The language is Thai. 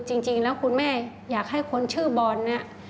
จริงแล้วคุณแม่อยากให้คนชื่อบอลเนี่ย